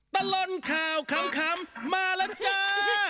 ตลอดข่าวขำมาแล้วจ้า